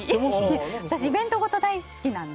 私、イベントごと大好きなので。